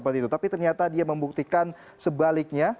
tapi ternyata dia membuktikan sebaliknya